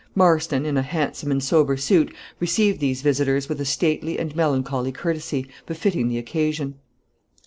Marston, in a handsome and sober suit, received these visitors with a stately and melancholy courtesy, befitting the occasion.